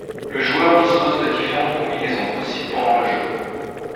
Le joueur dispose de différentes combinaisons possibles pendant le jeu.